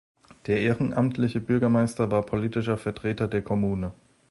Der ehrenamtliche Bürgermeister war politischer Vertreter der Kommune.